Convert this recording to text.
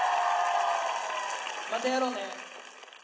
またやろうね。